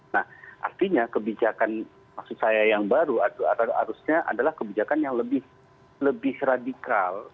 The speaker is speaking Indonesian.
nah artinya kebijakan maksud saya yang baru harusnya adalah kebijakan yang lebih radikal